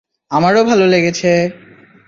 আমারও ভালো লেগেছে!